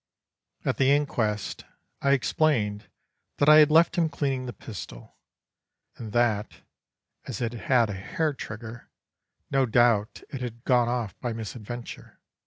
"At the inquest I explained that I left him cleaning the pistol, and that, as it had a hair trigger, no doubt it had gone off by misadventure.